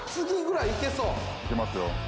いけますよ。